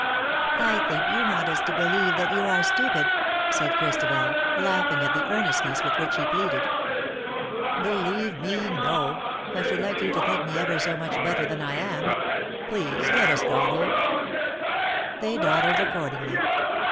^^ I think you want us to believe that you are stupid/'' said Christabel, laughing at the earnestness with which he pleaded. " Believe me, no. I should like you to think me ever so much better than I am. Please, let us dawdle.^^ They dawdled accordingly.